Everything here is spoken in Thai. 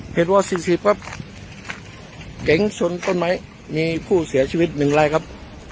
เหตุวสี่สิบครับเก๋งชนต้นไม้มีผู้เสียชีวิตหนึ่งรายครับ